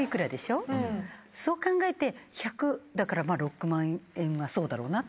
そう考えて１００だからまぁ６万円はそうだろうなって。